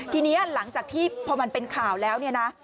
ทีนี้หลังจากที่พอมันเป็นข่าวแล้วเนี่ยนะ